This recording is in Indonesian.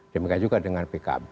demikian juga dengan pkb